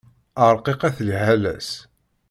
Ṛqiqet liḥala-s.